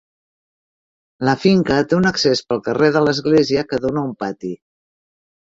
La finca té un accés pel carrer de l'Església que dóna a un pati.